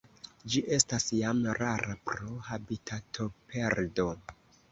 Ĝi estas jam rara pro habitatoperdo.